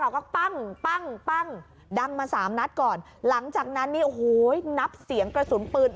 ก็ปั้งปั้งปั้งดังมาสามนัดก่อนหลังจากนั้นนี่โอ้โหนับเสียงกระสุนปืน